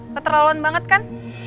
keterlaluan banget kan